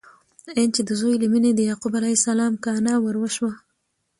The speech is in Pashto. آن چې د زوی له مینې د یعقوب علیه السلام کانه وروشوه!